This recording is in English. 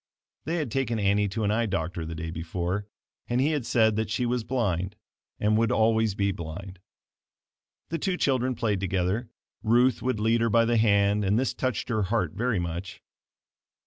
They had taken Annie to an eye doctor the day before and he had said that she was blind and would always be blind. The two children played together. Ruth would lead her by the hand and this touched her heart very much.